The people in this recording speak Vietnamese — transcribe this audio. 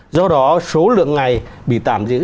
do đó số lượng ngày bị tạm giữ